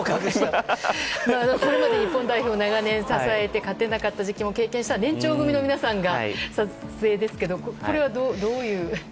これまで日本代表を長年支えて勝てなかった時期も経験した年長組の皆さんが、撮影ですけどこれはどういう？